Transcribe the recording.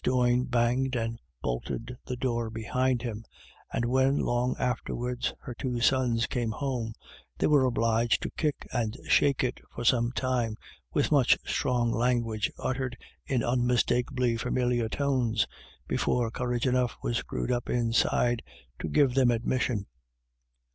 Doyne banged and bolted the door behind him ; and when, long after 234 IRISH IDYLLS. wards, her two sons came home, they were obliged to kick and shake it for some time, with much strong language, uttered in unmistakably familiar tones, before courage enough was screwed up inside to give them admission.